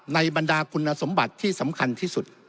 บรรดาคุณสมบัติที่สำคัญที่สุด